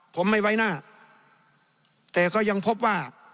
ผมไม่ไว้หน้าแต่ก็ยังพบว่า